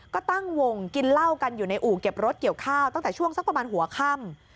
ก็ตั้งวงกินเหล้ากันอยู่ในอู่เก็บรถเกี่ยวข้าวตั้งแต่ช่วงสักประมาณหัวค่ำ